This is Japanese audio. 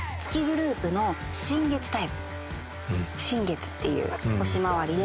新月っていう星回りで。